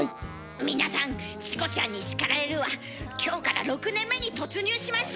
皆さん「チコちゃんに叱られる！」は今日から６年目に突入しました！